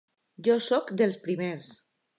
Jo soc dels primers.